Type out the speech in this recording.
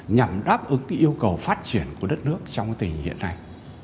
nhằm đáp ứng yêu cầu phát triển của đất nước trong tình hiện nay